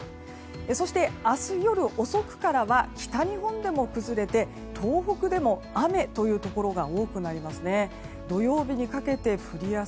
そして明日夜遅くからは北日本でも崩れて東北でも雨というところが多くなります。